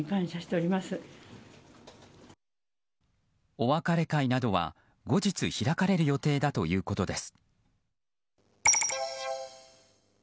お別れ会などは後日開かれる予定だということです。